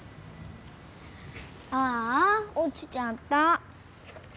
ああおちちゃった。